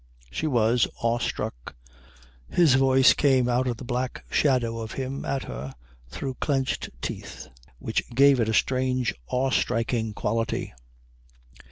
She was awe struck. His voice came out of the black shadow of him at her through clenched teeth, which gave it a strange awe striking quality.